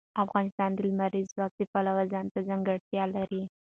افغانستان د لمریز ځواک د پلوه ځانته ځانګړتیا لري.